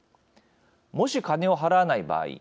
もし、金を払わない場合